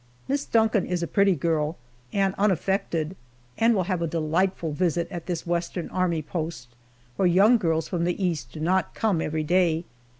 Miss Duncan is a pretty girl, and unaffected, and will have a delightful visit at this Western army post, where young girls from the East do not come every day.